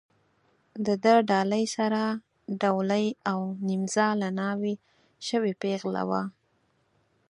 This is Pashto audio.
د ده ډالۍ سره ډولۍ او نیمزاله ناوې شوې پېغله وه.